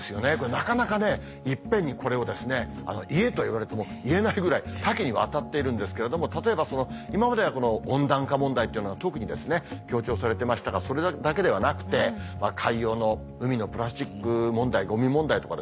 なかなか一遍にこれを言えと言われても言えないぐらい多岐にわたっているんですけれども例えば今までは温暖化問題っていうのは特に強調されてましたがそれだけではなくて海洋の海のプラスチック問題ゴミ問題とかですね